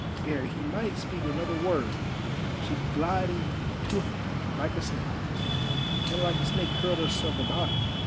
Ere he might speak another word she glided to him like a snake, and like a snake curled herself about him.